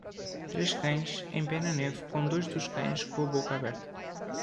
Três cães em pé na neve com dois dos cães com a boca aberta.